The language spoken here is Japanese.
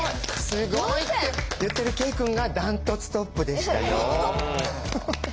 すごいって言ってるケイくんがダントツトップでしたよ。